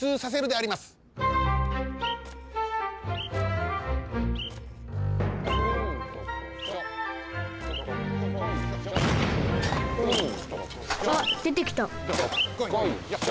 あっでてきた。